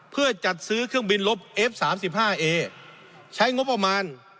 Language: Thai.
เพื่อจัดซื้อเครื่องบินลบเอฟ๓๕เอใช้งบประมาณ